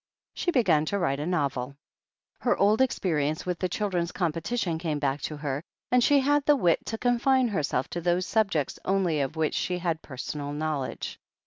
She began to write a novel. Her old experience with the Children's Competition came back to her, and she had the wit to confine herself to those subjects only of which she had personal knowl edge.